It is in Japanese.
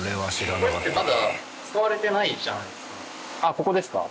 ここですか？